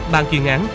bàn chuyên án